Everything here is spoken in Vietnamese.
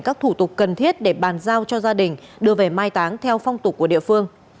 các thủ tục cần thiết để bàn giao cho gia đình đưa về mai táng theo phong tục của địa phương